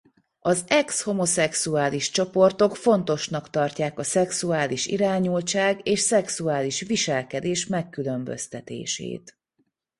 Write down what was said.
Az ex-homoszexuális-csoportok fontosnak tartják a szexuális irányultság és szexuális viselkedés megkülönböztetését.